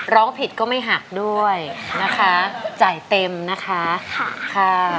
ร้องผิดก็ไม่หักด้วยนะคะจ่ายเต็มนะคะค่ะ